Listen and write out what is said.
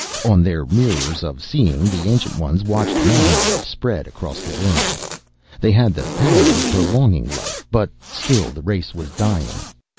On their mirrors of seeing the Ancient Ones watched man life spread across the world. They had the power of prolonging life, but still the race was dying.